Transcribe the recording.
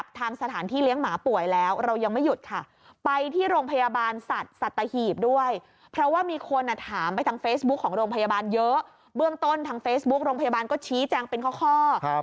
เบื้องต้นทางเฟย์ส์บุ๊คโรงพยาบาลก็ชี้แจ้งเป็นข้อครับ